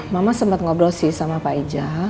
mama sempet ngobrol sih sama pak ijal